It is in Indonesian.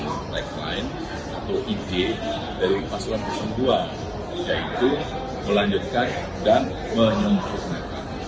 ada tagline atau ide dari pasukan dua yaitu melanjutkan dan menyempurnakan